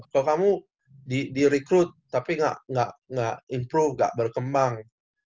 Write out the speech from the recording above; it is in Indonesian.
kalo kamu di recruit tapi ga improve ga berkembang